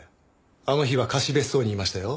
あの日は貸別荘にいましたよ。